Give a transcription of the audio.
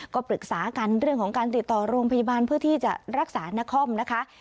ก็ปรึกษากันเรื่องของการติดต่อโรงพยาบาลเพื่อที่จะรักษานครนะคะ